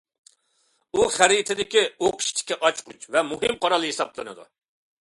ئۇ، خەرىتىدىكى ئۇقۇشتىكى ئاچقۇچ ۋە مۇھىم قورال ھېسابلىنىدۇ.